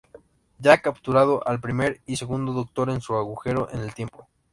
Ya ha capturado al Primer y Segundo Doctor en su agujero en el tiempo.